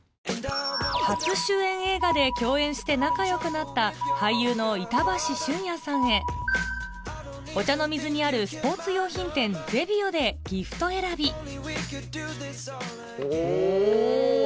初主演映画で共演して仲良くなった俳優の板橋駿谷さんへ御茶ノ水にあるスポーツ用品店ゼビオでギフト選びおぉ。